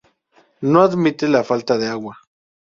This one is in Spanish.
No admite la falta de agua.